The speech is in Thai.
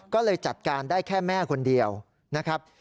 ก็เลยจัดการได้แค่แม่คนเดียวนะครับ